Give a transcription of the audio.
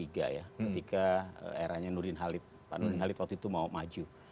ketika eranya nurdin halid pak nurdin halid waktu itu mau maju